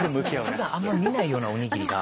普段あんま見ないようなおにぎりが。